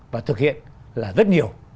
và thực hiện là rất nhiều